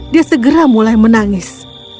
dia segera mulai menangis